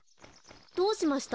どうしました？